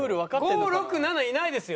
５６７いないですよ？